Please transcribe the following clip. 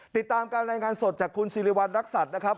ติดตามการรายงานสดจากคุณสิริวัณรักษัตริย์นะครับ